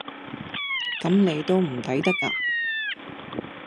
咁你都唔抵得呀？